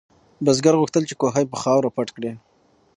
بزګر غوښتل چې کوهی په خاورو پټ کړي.